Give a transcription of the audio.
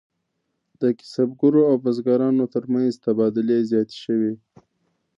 د کسبګرو او بزګرانو ترمنځ تبادلې زیاتې شوې.